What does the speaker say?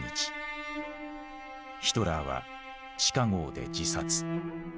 ヒトラーは地下壕で自殺。